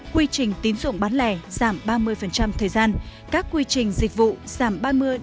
quy trình tín dụng bán lẻ giảm ba mươi thời gian các quy trình dịch vụ giảm ba mươi năm mươi